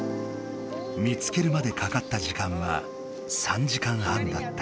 見つけるまでかかった時間は３時間半だった。